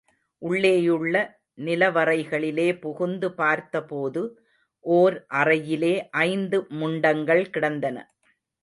உள்ளேயுள்ள நிலவறைகளிலே புகுந்து பார்த்தபோது, ஓர் அறையிலே ஐந்து முண்டங்கள் கிடந்தன.